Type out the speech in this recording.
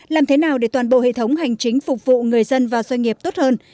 làm thế nào để toàn bộ hệ thống hành chính phục vụ người dân và doanh nghiệp tốt hơn